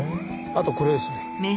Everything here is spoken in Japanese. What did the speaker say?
あとこれですね。